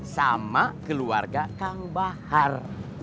sama keluarga kang bahar